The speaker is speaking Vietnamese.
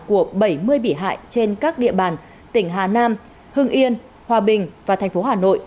của bảy mươi bị hại trên các địa bàn tỉnh hà nam hưng yên hòa bình và thành phố hà nội